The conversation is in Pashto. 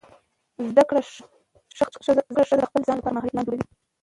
زده کړه ښځه د خپل ځان لپاره مالي پلان جوړوي.